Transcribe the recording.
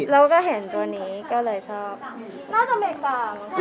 แล้วก็เห็นตัวนี้ก็เลยชอบ